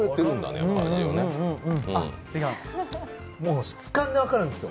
もう質感で分かるんですよ。